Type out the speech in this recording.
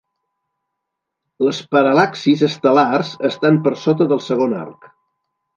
Les paral·laxis estel·lars estan per sota del segon d'arc.